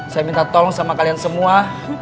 saya minta tolong sama kalian semua